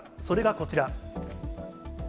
それがこちら。